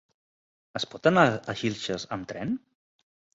Es pot anar a Xilxes amb tren?